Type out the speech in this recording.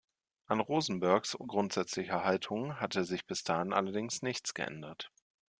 An Rosenbergs grundsätzlicher Haltung hatte sich bis dahin allerdings nichts geändert.